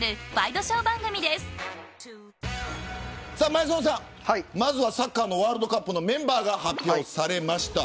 前園さんサッカーワールドカップのメンバーが発表されました。